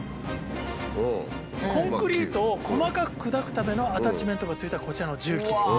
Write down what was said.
コンクリートを細かく砕くためのアタッチメントが付いたこちらの重機。